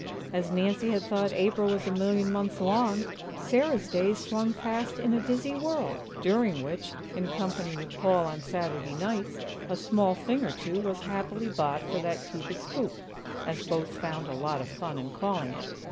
As Nancy had thought April was "a million months long," Sarah's days swung past in a dizzy whirl; during which, in company with Paul on Saturday nights, a small thing or two was happily bought for that "Cupid's Coop," as both found a lot of fun in calling it.